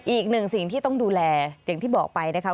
อีกหนึ่งสิ่งที่ต้องดูแลอย่างที่บอกไปนะคะ